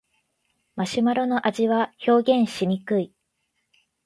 マシュマロの味は表現しにくい